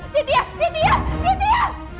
sitiah sitiah sitiah